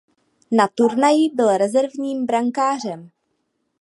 Na turnaji byl rezervním brankářem.